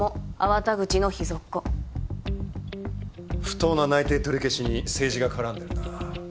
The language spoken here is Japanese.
不当な内定取り消しに政治が絡んでるな。